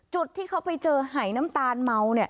จุดที่เขาไปเจอหายน้ำตาลเมา